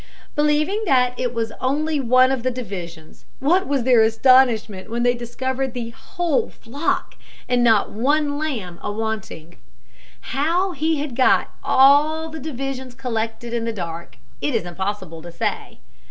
Believing that it was one only of the divisions, what was their astonishment when they discovered the whole flock, and not one lamb a wanting! How he had got all the divisions collected in the dark it is impossible to say.